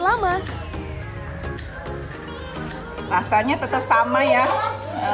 lomi di jalan imam bonjol bandung ini sudah buka sejak seribu sembilan ratus sembilan puluh tujuh